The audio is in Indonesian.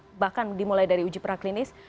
jadi ini adalah yang terakhir dari uji praklinis